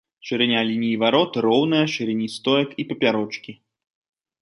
Шырыня лініі варот роўная шырыні стоек і папярочкі.